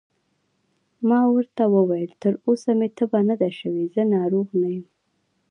ما ورته وویل: تر اوسه مې تبه نه ده شوې، زه ناروغ نه یم.